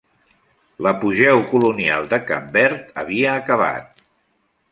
L'apogeu colonial de Cap Verd havia acabat.